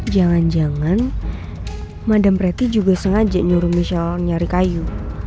jangan jangan madam pretty juga sengaja nyuruh michel nyari kayu